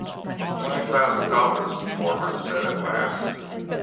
"Five thousand dollars," the former said at last.